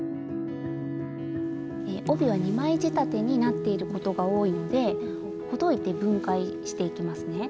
帯は２枚仕立てになっていることが多いのでほどいて分解していきますね。